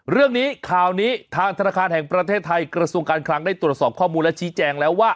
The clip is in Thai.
เรื่องนี้ข่าวนี้ทางธนาคารแห่งประเทศไทยกระทรวงการคลังได้ตรวจสอบข้อมูลและชี้แจงแล้วว่า